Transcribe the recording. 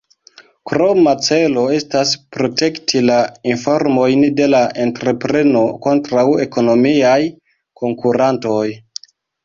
Kroma celo estas protekti la informojn de la entrepreno kontraŭ ekonomiaj konkurantoj.